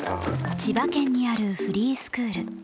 千葉県にあるフリースクール。